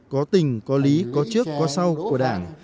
có tình có lý có trước có sau của đảng